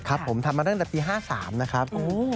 ครับผมทำมาตั้งแต่ปี๕๓นะครับ